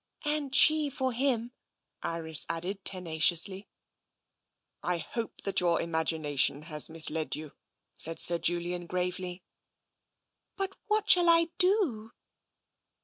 " And she for him," Iris added tenaciously. " I hope that your imagination has misled you," said Sir Julian gravely. "But what shall I do?"